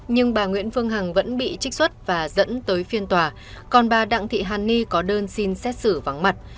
nhưng bà nguyễn phương hằng vẫn bị trích xuất và dẫn tới phiên tòa còn bà đặng thị hàn ni có đơn xin xét xử vắng mặt